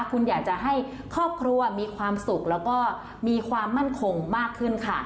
คุณอยากจะให้ครอบครัวมีความสุขแล้วก็มีความมั่นคงมากขึ้นค่ะ